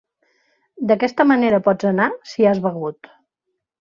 D'aquesta manera pots anar si has begut.